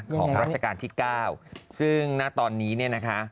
ของราชการที่เก้าซึ่งตอนนี้นะคะ